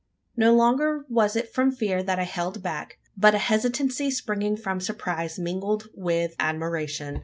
No longer was it from fear that I held back; but a hesitancy springing from surprise mingled with admiration.